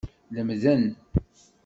Lemden.